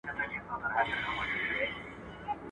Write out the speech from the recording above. o راستي کمي نه لري.